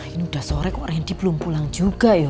ini udah sore kok randy belum pulang juga yuk